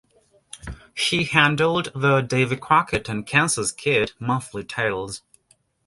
He handled the "Davy Crockett" and "Kansas Kid" monthly titles.